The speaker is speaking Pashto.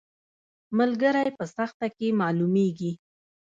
ملګری په سخته کې معلومیږي